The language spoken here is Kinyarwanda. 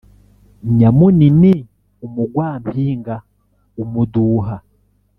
Nyamunini umugwampinga.-Umuduha.